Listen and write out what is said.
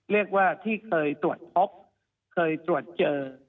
เรียกว่าที่เคยตรวจพบเคยตรวจเจอ